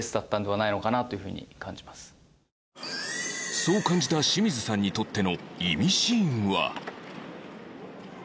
そう感じた清水さんにとってのイミシーンは